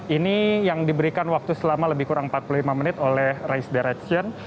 ini yang diberikan waktu selama lebih kurang empat puluh lima menit oleh race direction